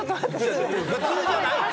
普通じゃないです。